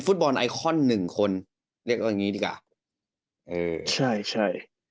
บอลไอคอนหนึ่งคนเรียกว่าอย่างงี้ดีกว่าเออใช่ใช่